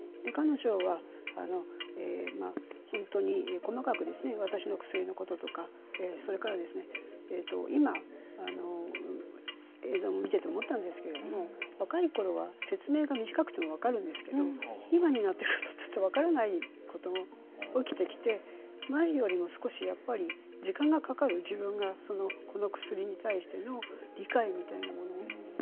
彼女は、本当に細かく私の薬のこととかそれから、今映像を見ていて思ったんですけれども若いころは説明が短くても分かるんですけど今になってだとちょっと分からないことが起きてきて前よりも少し、やっぱり時間がかかる自分が、その、この薬に対しての理解みたいなもの。